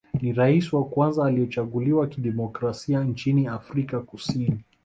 Ni rais wa kwanza aliyechaguliwa kidemokrasia nchini Afrika Kusini